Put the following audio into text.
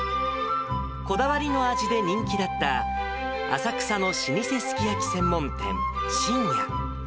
こだわりの味で人気だった浅草の老舗すき焼き専門店、ちんや。